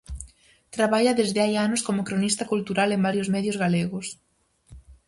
Traballa desde hai anos como cronista cultural en varios medios galegos.